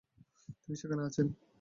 তিনি সেখানে আছেন?